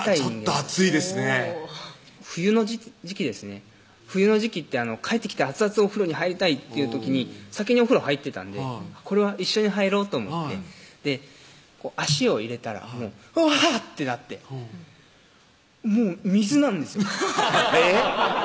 ちょっと熱いですね冬の時季ですね冬の時季って帰ってきて熱々お風呂に入りたいっていう時に先にお風呂入ってたんでこれは一緒に入ろうと思って足を入れたら「うわ！」ってなってもう水なんですよえっ？